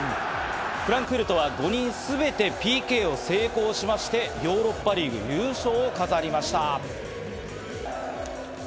フランクフルトは５人全部ＰＫを成功しまして、ヨーロッパリーグ優勝を飾りました。